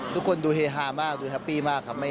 ทุกคนดูเฮฮามากดูแฮปปี้มากครับ